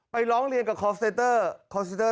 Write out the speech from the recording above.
ไปร้องเรียนกับคอล์ฟเซตเตอร์